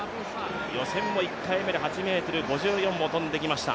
予選も１回目で８ｍ５４を跳んできました。